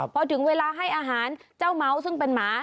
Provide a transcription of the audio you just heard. พอถึงเวลาให้อาหารเจ้าเมาส์ซึ่งเป็นหมา